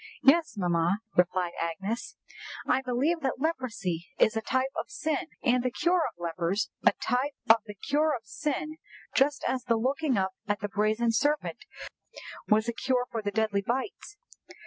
"Yes, mamma," replied Agnes. "I believe that leprosy is a type of sin, and the cure of lepers a type of the cure of sin just as the looking up at the brazen serpent was a cure for the deadly bites."